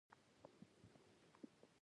د اوسني حالت لپاره بدي ل حالتونه لټوي.